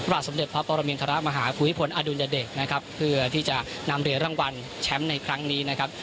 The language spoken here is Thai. สมเด็จพระปรมินทรมาฮาภูมิพลอดุลยเดชนะครับเพื่อที่จะนำเหรียญรางวัลแชมป์ในครั้งนี้นะครับ